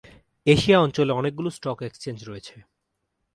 Asia অঞ্চলে অনেকগুলো stock exchange রয়েছে।